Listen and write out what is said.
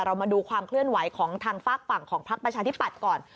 เรามาดูความเคลื่อนไหวของทางฝากฝั่งของพักประชาธิปัตย์ก่อน